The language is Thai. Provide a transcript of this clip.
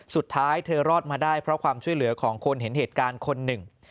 สุดท้ายเธอรอดมาได้เพราะความช่วยเหลือของคนเห็นเหตุการณ์คนหนึ่ง